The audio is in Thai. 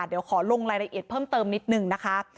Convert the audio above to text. เดี๋ยวขอลงรายละเอียดเพิ่มเติมนิดนึงนะคะ